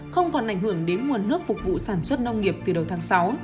không còn ảnh hưởng đến nguồn nước phục vụ sản xuất nông nghiệp từ đầu tháng sáu